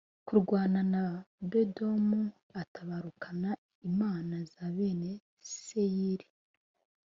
Kurwana n abedomu atabarukana imana za bene seyiri